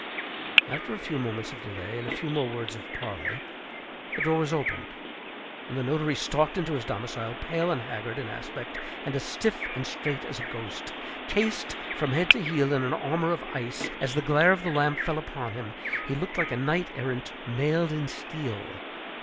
After a few moments of delay and a few more words of parley, the door was opened, and the notary stalked into his domicile, pale and haggard in aspect, and as stiff and straight as a ghost. Cased from head to heel in an armor of ice, as the glare of the lamp fell upon him, he looked like a knight errant mailed in steel.